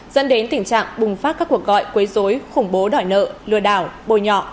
dẫn đến tình trạng bùng phát các cuộc gọi quấy dối khủng bố đòi nợ lừa đảo bồi nhọ